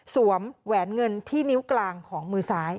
แหวนเงินที่นิ้วกลางของมือซ้าย